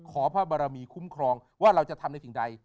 พระบารมีคุ้มครองว่าเราจะทำในสิ่งใด